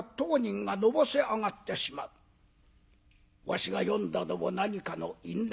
わしが読んだのも何かの因縁。